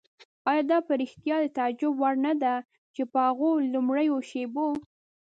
آیا دا په رښتیا د تعجب وړ نه ده چې په هغو لومړیو شېبو.